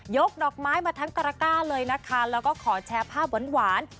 ดอกไม้มาทั้งตระก้าเลยนะคะแล้วก็ขอแชร์ภาพหวาน